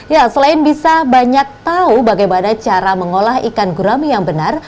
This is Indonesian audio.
ya selain bisa banyak tahu bagaimana cara mengolah ikan gurami yang benar